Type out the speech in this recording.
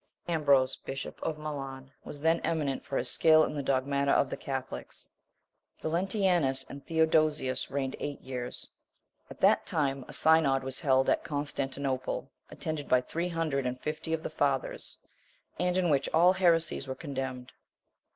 Ambrose, bishop of Milan, was then eminent for his skill in the dogmata of the Catholics. Valentinianus and Theodosius reigned eight years. At that time a synod was held at Constantinople, attended by three hundred and fifty of the fathers, and in which all heresies were condemned.